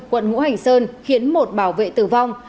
quận ngũ hành sơn khiến một bảo vệ tử vong